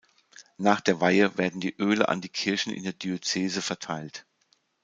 Nach der Weihe werden die Öle an die Kirchen in der Diözese verteilt.